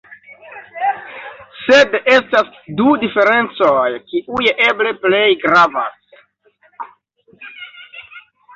Sed estas du diferencoj kiuj eble plej gravas.